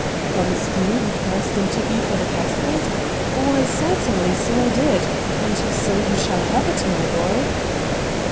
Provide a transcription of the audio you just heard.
' Promised you the first interview for the " Catapult "? Why, certainly, so I did And so you shall have it, my boy.'